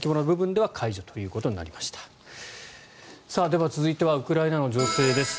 では、続いてはウクライナの情勢です。